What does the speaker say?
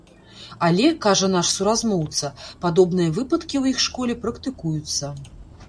Але, кажа наш суразмоўца, падобныя выпадкі ў іх школе практыкуюцца.